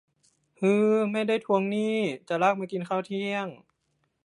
ฮือ ไม่ได้ทวงหนี้ จะลากมากินข้าวเที่ยง